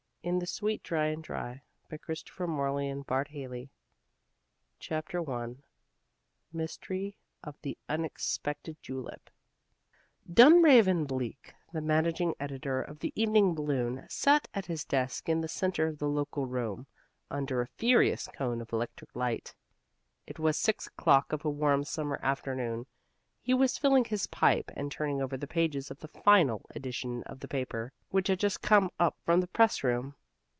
IT'S A LONG WORM THAT HAS NO TURNING IN THE SWEET DRY AND DRY CHAPTER I MYSTERY OF THE UNEXPECTED JULEP Dunraven Bleak, the managing editor of The Evening Balloon, sat at his desk in the center of the local room, under a furious cone of electric light. It was six o'clock of a warm summer afternoon: he was filling his pipe and turning over the pages of the Final edition of the paper, which had just come up from the press room.